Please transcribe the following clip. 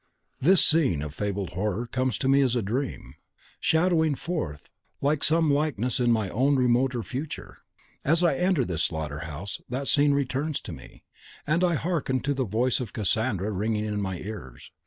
This scene of fabled horror comes to me as a dream, shadowing forth some likeness in my own remoter future!" As I enter this slaughter house that scene returns to me, and I hearken to the voice of Cassandra ringing in my ears.